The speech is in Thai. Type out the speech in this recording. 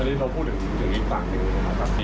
อันนี้เราพูดถึงอีกฝั่งหนึ่งนะครับ